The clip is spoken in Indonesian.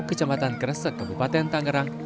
kecamatan keresek kebupaten tangerang